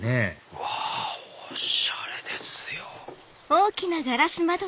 うわおしゃれですよ。